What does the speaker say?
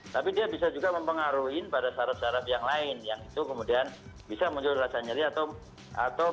tapi dia bisa juga mempengaruhi pada syaraf saraf yang lain yang itu kemudian bisa muncul rasa nyeri atau